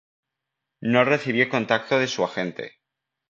No recibió contacto de su agente.